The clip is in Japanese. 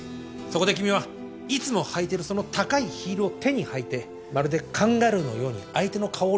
そこで君はいつも履いてるその高いヒールを手にはいてまるでカンガルーのように相手の顔を連打した。